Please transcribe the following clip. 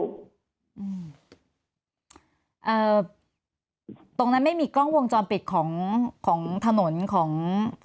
ตรงนั้นไม่มีกล้องวงจรปิดของของถนนของ